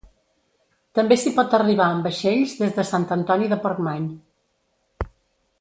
També s'hi pot arribar amb vaixells des de Sant Antoni de Portmany.